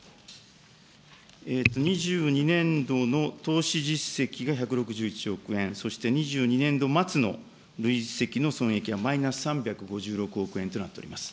２２年度の投資実績が１６１億円、そして２２年度末の累積の損益がマイナス３５６億円となっております。